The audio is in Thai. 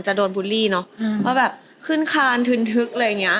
จะโดนบูลลี่เนอะว่าแบบขึ้นคานทึนทึกอะไรอย่างเงี้